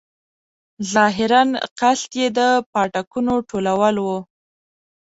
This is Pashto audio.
ظاهراً قصد یې د پاټکونو ټولول وو.